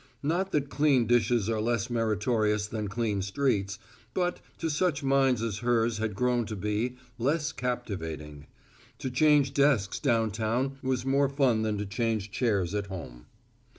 Not that clean dishes are less meritorious than clean streets, but, to such minds as hers had grown to be, less captivating. To change desks downtown was more fun than to change chairs at home.